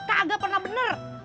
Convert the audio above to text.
kagak pernah bener